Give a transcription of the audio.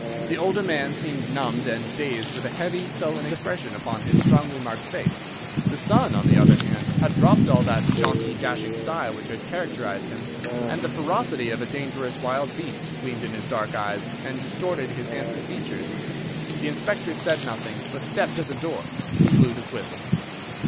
The older man seemed numbed and dazed with a heavy, sullen expression upon his strongly marked face. The son, on the other hand, had dropped all that jaunty, dashing style which had characterized him, and the ferocity of a dangerous wild beast gleamed in his dark eyes and distorted his handsome features. The Inspector said nothing, but, stepping to the door, he blew his whistle.